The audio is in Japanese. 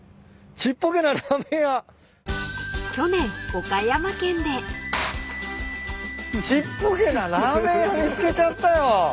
「ちっぽけなラーメン屋見つけちゃったよ」